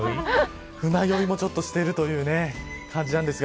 船酔いも、ちょっとしているという感じなんですが。